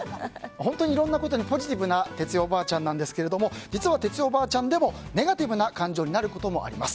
本当に、いろいろなことにポジティブな哲代おばあちゃんですが実は哲代おばあちゃんでもネガティブな感情になることもあります。